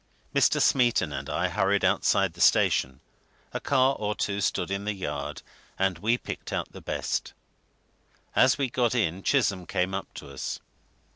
Mr. Smeaton and I hurried outside the station a car or two stood in the yard, and we picked out the best. As we got in, Chisholm came up to us.